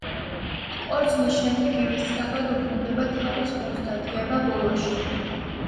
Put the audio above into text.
ტყორცნის შემდეგ იგი სწრაფად უბრუნდება თავის გუნდს და დგება ბოლოში.